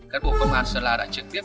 các bộ công an sla đã trực tiếp